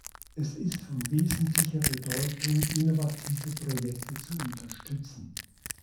Es ist von wesentlicher Bedeutung, innovative Projekte zu unterstützen.